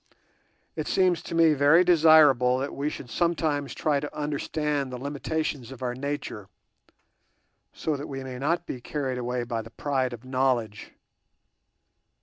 It seems to me very desirable that we should sometimes try to understand the limitations of our nature, so that we may not be carried away by the pride of knowledge.